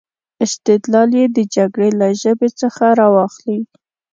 استدلال یې د جګړې له ژبې څخه را واخلي.